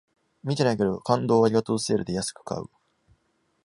見てないけど、感動をありがとうセールで安く買う